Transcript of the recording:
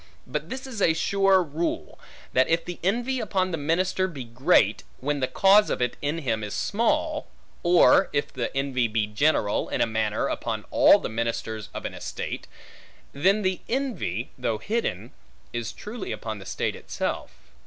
But this is a sure rule, that if the envy upon the minister be great, when the cause of it in him is small; or if the envy be general, in a manner upon all the ministers of an estate; then the envy (though hidden) is truly upon the state itself.